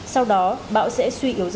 sau đó bão sẽ suy yếu dần